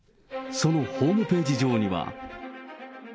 そのホームページ上には。